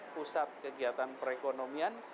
pusat kegiatan perekonomian